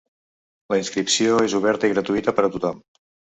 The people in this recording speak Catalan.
La inscripció és oberta i gratuïta per a tothom.